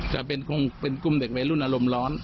จะเป็นกลุ่มเด็กวัยรุ่นอารมณ์ร้อน